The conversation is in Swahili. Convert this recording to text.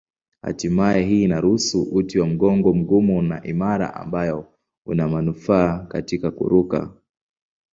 Hatimaye hii inaruhusu uti wa mgongo mgumu na imara ambayo una manufaa katika kuruka.